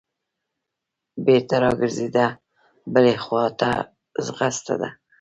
بېرته راګرځېده بلې خوا ته ځغسته.